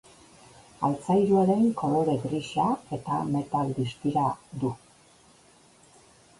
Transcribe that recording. Altzairuaren kolore grisa eta metal distira du.